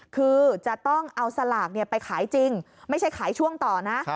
คือจะต้องเอาสลากไปขายจริงไม่ใช่ขายช่วงต่อนะ